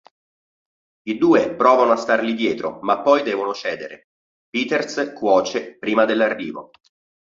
I due provano a stargli dietro ma poi devono cedere; Peters "cuoce" prima dell'arrivo.